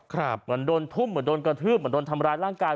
เหมือนโดนทุ่มเหมือนโดนกระทืบเหมือนโดนทำร้ายร่างกาย